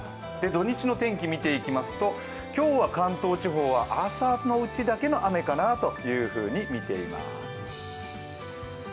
土日の天気、見ていきますと今日は関東地方は朝のうちだけの雨かなとみています。